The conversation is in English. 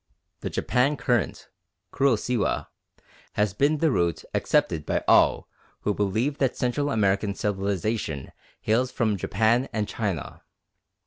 The Japan Current (Kuro Siwa) has been the route accepted by all who believe that Central American civilisation hails from Japan and China.